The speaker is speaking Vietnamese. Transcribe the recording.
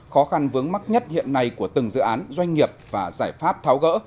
khó khăn vướng mắt nhất hiện nay của từng dự án doanh nghiệp và giải pháp tháo gỡ